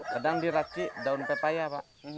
kadang diracik daun pepaya pak